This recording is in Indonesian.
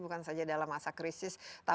bukan saja dalam masa krisis